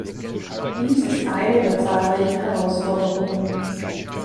Dies ist eine der zahlreichen Herausforderungen.